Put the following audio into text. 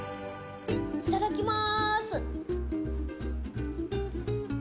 いただきます！